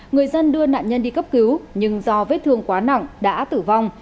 người dân đưa nạn nhân đi cấp cứu nhưng do vết thương quá nặng đã tử vong